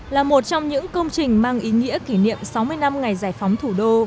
là một trong những công trình mang ý nghĩa kỷ niệm sáu mươi năm ngày giải phóng thủ đô